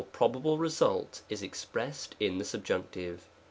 probable result is expressed in the subjunctive.